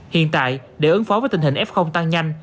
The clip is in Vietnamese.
hiện tại để ứng phó với tình hình f tăng nhanh